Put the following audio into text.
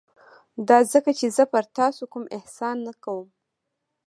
دا ځکه چې زه پر تاسو کوم احسان نه کوم.